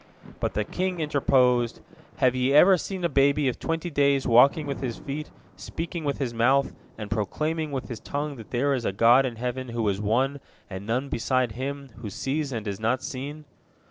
But the king interposed, "Have ye ever seen a baby of twenty days walking with his feet, speaking with his mouth, and proclaiming with his tongue that there is a God in heaven, who is One, and none beside Him, who sees and is not seen?"